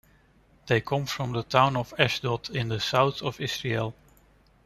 They come from the town of Ashdod in the south of Israel.